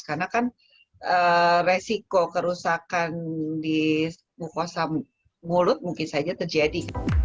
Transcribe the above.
karena kan resiko kerusakan di mukosa mulut mungkin saja terjadi